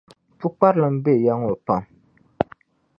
Pukparilim be ya ŋɔ pam.